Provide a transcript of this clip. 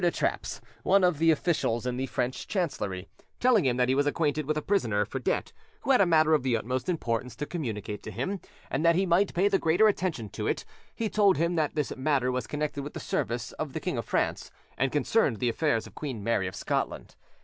de Trappes's, one of the officials in the French chancellery, telling him that he was acquainted with a prisoner for debt who had a matter of the utmost importance to communicate to him, and that he might pay the greater attention to it, he told him that this matter was connected with the service of the King of France, and concerned the affairs of Queen Mary of Scotland.